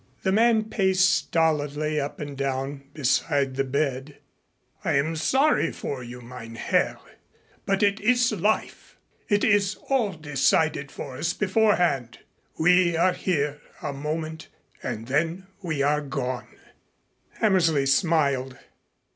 The man paced stolidly up and down beside the bed. "I am sorry for you, mein Herr. But it is life. It is all decided for us beforehand. We are here a moment and then we are gone." Hammersley smiled.